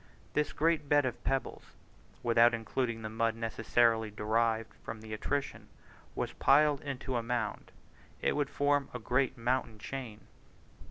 If this great bed of pebbles, without including the mud necessarily derived from their attrition, was piled into a mound, it would form a great mountain chain!